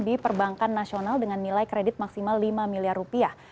di perbankan nasional dengan nilai kredit maksimal lima miliar rupiah